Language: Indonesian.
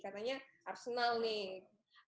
katanya arsenal nih